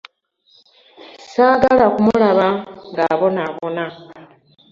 Saagala kumulaba nga abonaabona.